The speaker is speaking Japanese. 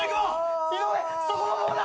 井上そこの棒だ！